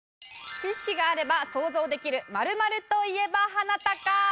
知識があれば想像できる○○といえばハナタカ！